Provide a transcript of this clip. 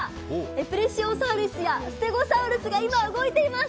プレシオサウルスやステゴサウルスが今、動いています。